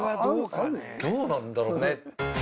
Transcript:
どうなんだろうね。